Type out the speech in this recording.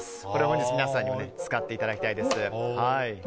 これ本日、皆さんにも使っていただきたいです。